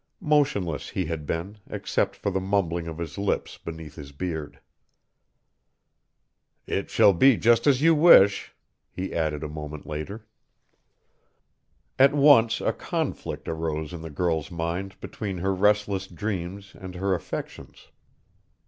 Motionless he had been, except for the mumbling of his lips beneath his beard. "It shall be just as you wish," he added a moment later. At once a conflict arose in the girl's mind between her restless dreams and her affections.